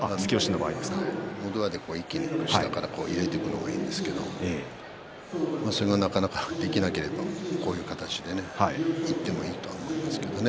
のど輪で一気に下から入れていくのがいいんですけれどそれがなかなかできなければこういう形でいってもいいと思うんですけどね。